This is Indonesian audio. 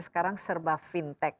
sekarang serba fintech